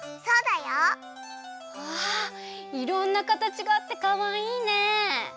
そうだよ！わあいろんなかたちがあってかわいいね。